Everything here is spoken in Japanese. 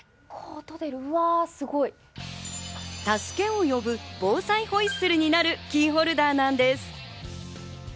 助けを呼ぶ防災ホイッスルになるキーホルダーなんです。